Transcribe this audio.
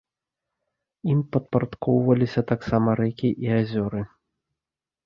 Ім падпарадкоўваліся таксама рэкі і азёры.